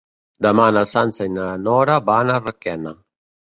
Demà na Sança i na Nora van a Requena.